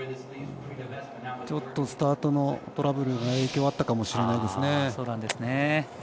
ちょっとスタートのトラブルが影響あったかもしれないですね。